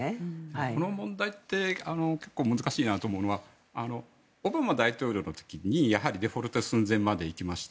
この問題って難しいと思うんですけどオバマ大統領の時にデフォルト寸前まで行きました。